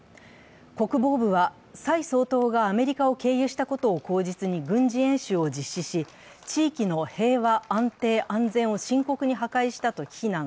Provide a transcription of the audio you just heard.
国防部は、蔡総統がアメリカを経由したことを口実に軍事演習を実施し、地域の平和、安定、安全を深刻に破壊したと非難。